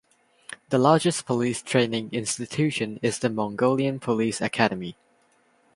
The largest police training institution is the Mongolian Police Academy.